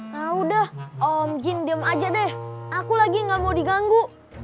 nah udah om jindiem aja deh aku lagi gak mau diganggu